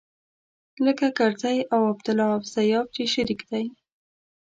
لکه کرزی او عبدالله او سياف چې شريک دی.